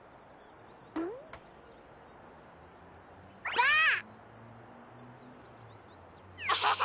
ばあっ！